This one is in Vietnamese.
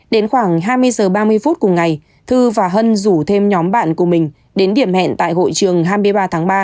đến khoảng hai mươi h ba mươi phút cùng ngày thư và hân rủ thêm nhóm bạn của mình đến điểm hẹn tại hội trường hai mươi ba tháng ba